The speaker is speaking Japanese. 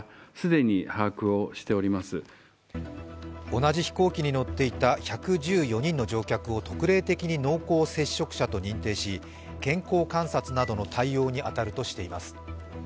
同じ飛行機に乗っていた１１４人の乗客を特例的に濃厚接触者と認定し健康観察などの対応に当たるとしています。